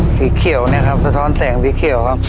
สีเขียวเนี่ยครับสะท้อนแสงสีเขียวครับ